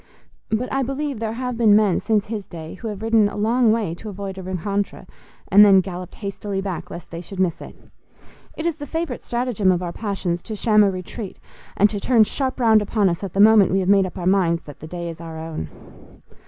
But I believe there have been men since his day who have ridden a long way to avoid a rencontre, and then galloped hastily back lest they should miss it. It is the favourite stratagem of our passions to sham a retreat, and to turn sharp round upon us at the moment we have made up our minds that the day is our own.